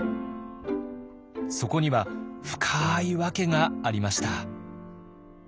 そこには深い訳がありました。